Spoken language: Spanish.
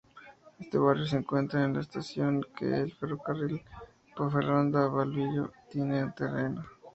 En este barrio se encuentra la estación que el Ferrocarril Ponferrada-Villablino tiene en Toreno.